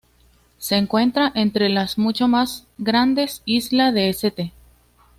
Se encuentra entre las mucho más grandes isla de St.